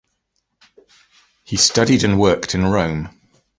He studied and worked in Rome.